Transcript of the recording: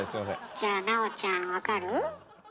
じゃあ奈緒ちゃん分かる？